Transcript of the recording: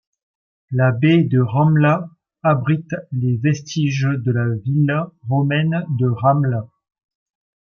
La baie de Ramla abrite les vestiges de la villa romaine de Ramla.